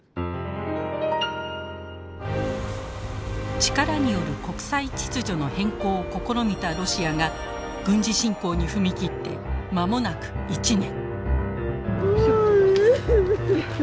力による国際秩序の変更を試みたロシアが軍事侵攻に踏み切って間もなく１年。